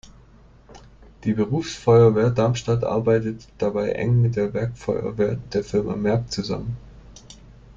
Die Berufsfeuerwehr Darmstadt arbeitet dabei eng mit der Werkfeuerwehr der Firma Merck zusammen.